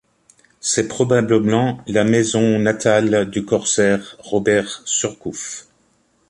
C'est probablement la maison natale du corsaire Robert Surcouf.